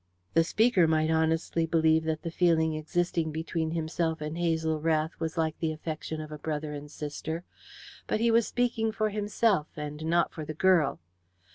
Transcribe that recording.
The speaker might honestly believe that the feeling existing between himself and Hazel Rath was like the affection of brother and sister, but he was speaking for himself, and not for the girl.